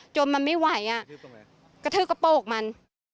จนมันไม่ไหวกระทืบกระโปรกมัน